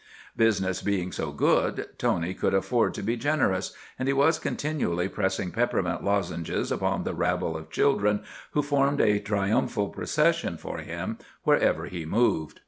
Business being so good, Tony could afford to be generous, and he was continually pressing peppermint lozenges upon the rabble of children who formed a triumphal procession for him wherever he moved.